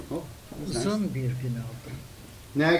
Uzun bir gün oldu.